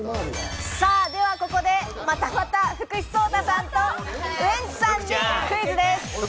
ではここで、またまた福士蒼汰さんとウエンツさんにクイズです。